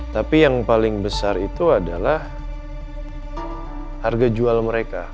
tapi yang paling besar itu adalah harga jual mereka